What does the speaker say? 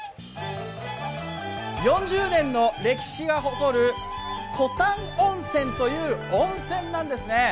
４０年の歴史が誇るコタン温泉という温泉なんですね。